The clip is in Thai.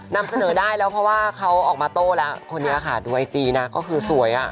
นำเสนอได้แล้วเพราะว่าเขาออกมาโต้แล้วคนนี้ค่ะดูไอจีนะก็คือสวยอ่ะ